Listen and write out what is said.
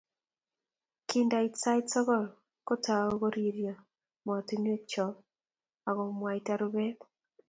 Kindait sait sokol, kotou koriryo motunwek chok akomwaita rubet